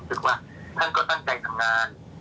ซึ่งทุกหน่วยงานราชการ